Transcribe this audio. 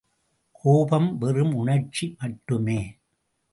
கோபம் வெறும் உணர்ச்சி மட்டுமே.